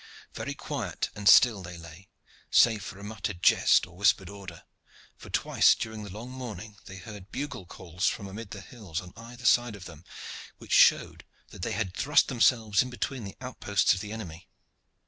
Very quiet and still they lay, save for a muttered jest or whispered order, for twice during the long morning they heard bugle calls from amid the hills on either side of them, which showed that they had thrust themselves in between the outposts of the enemy.